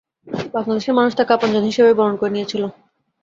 বাংলাদেশের মানুষ তাঁকে আপনজন হিসেবেই বরণ করে নিয়েছিল।